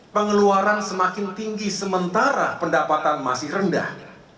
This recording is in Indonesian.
pengeluaran semakin tinggi sementara pendapatan masih rendah